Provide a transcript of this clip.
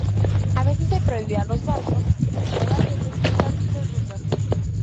A veces se prohibió a los barcos no daneses usar dichas rutas.